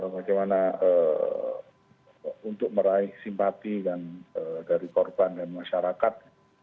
bagaimana untuk meraih simpati dari korban dan masyarakat